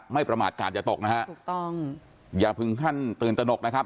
ประมาทกาศอย่าตกนะฮะถูกต้องอย่าถึงขั้นตื่นตนกนะครับ